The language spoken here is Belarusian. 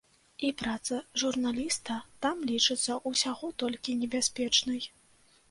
І праца журналіста там лічыцца ўсяго толькі небяспечнай.